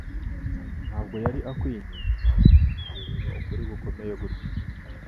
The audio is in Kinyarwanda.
ntabwo yari akwinye kuyoberwa ukuri gukomeye gutyo.